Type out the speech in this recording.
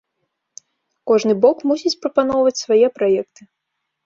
Кожны бок мусіць прапаноўваць свае праекты.